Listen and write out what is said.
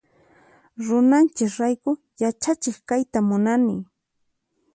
Runanchis rayku yachachiq kayta munani.